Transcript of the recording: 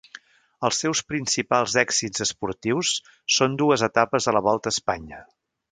Els seus principals èxits esportius són dues etapes a la Volta a Espanya.